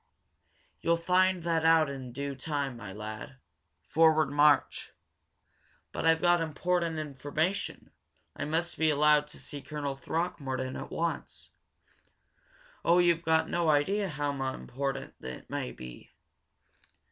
"You'll find that out in due time, my lad. Forward march!" "But I've got important information! I must be allowed to see Colonel Throckmorton at once! Oh, you've got no idea how important it may be!"